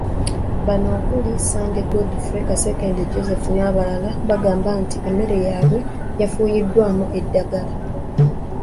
Bano okuli; Ssande Godfrey, Kasekende Joseph n'abalala, baagamba nti emmere yaabwe yafuuyiddwamu eddagala.